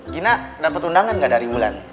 gina dapet undangan gak dari mulan